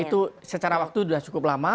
itu secara waktu sudah cukup lama